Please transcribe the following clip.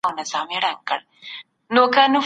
د مېوو خوړل د بدن لپاره یوه پوره او ګټوره دوا ده.